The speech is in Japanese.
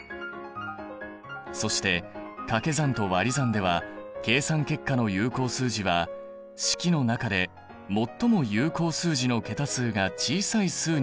そしてかけ算とわり算では計算結果の有効数字は式の中でもっとも有効数字の桁数が小さい数に合わせることになっている。